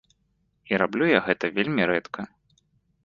І раблю я гэта вельмі рэдка.